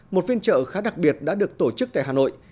một phiên trợ khá đặc biệt đã được tổ chức tại hà nội